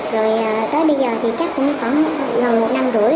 rồi tới bây giờ thì chắc cũng gần một năm rưỡi rồi